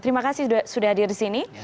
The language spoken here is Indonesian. terima kasih sudah hadir di sini